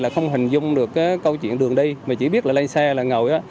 không hình dung được câu chuyện đường đi mà chỉ biết là lên xe là ngồi đó